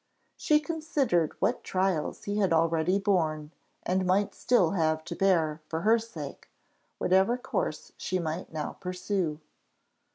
She considered what trials he had already borne, and might still have to bear, for her sake, whatever course she might now pursue.